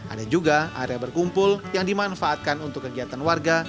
ada juga area berkumpul yang dimanfaatkan untuk kegiatan warga